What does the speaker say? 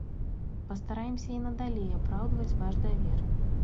Пастараемся і надалей апраўдваць ваш давер.